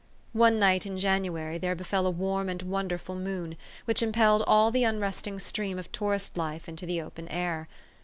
One night in January, there befell a warm and wonderful moon, which impelled all the unresting stream of tourist life into the open air.